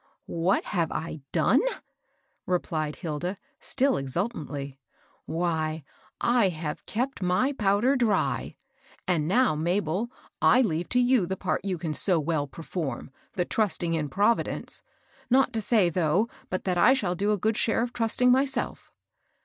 " What have I done ?" replied Hilda, still ex ultingly ;" why, I have * kept my powder dry? And now, Mabel, I leave to you the part you can so well perform, — the * trusting in Providence.' — Not to say, though, but that I shall do a good share of trusting myself."